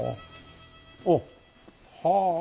おっ！はあ。